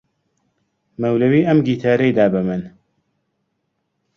مەولەوی ئەم گیتارەی دا بە من.